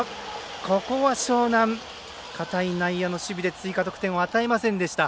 ここは樟南堅い内野の守備で追加点を与えませんでした。